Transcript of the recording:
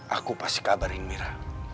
aku pasti kabarin mira